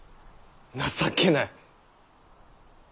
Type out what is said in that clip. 情けない！